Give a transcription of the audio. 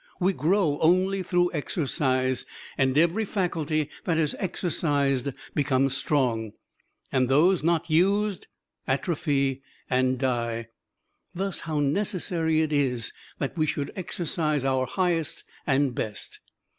We grow only through exercise, and every faculty that is exercised becomes strong, and those not used atrophy and die. Thus how necessary it is that we should exercise our highest and best!